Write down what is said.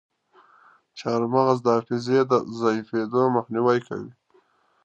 چارمغز د حافظې ضعیفیدو مخنیوی کوي.